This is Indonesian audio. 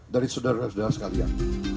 dari saudara saudara sekalian